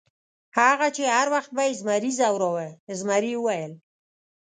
هغه چې هر وخت به یې زمري ځوراوه، زمري وویل.